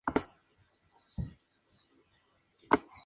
El exalcalde Rufino Díaz Helguera, fue el número uno en la candidatura.